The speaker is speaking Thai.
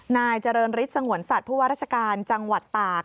นายเจริญฤทธิ์สงวนสัตว์ผู้ว่าราชการจังหวัดตาก